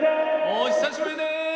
お久しぶりです！